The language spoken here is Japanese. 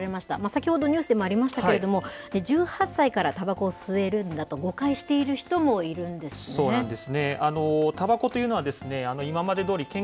先ほどニュースでもありましたけれども、１８歳からたばこを吸えるんだと誤解している人もいるんですね。